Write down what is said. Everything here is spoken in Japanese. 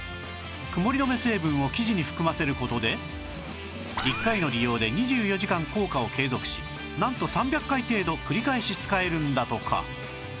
曇り止め成分を生地に含ませる事で１回の利用で２４時間効果を継続しなんと３００回程度繰り返し使えるんだとか